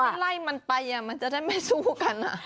ทำไมเราไล่มันไปอ่ะมันจะได้ไม่สู้กันอ่ะ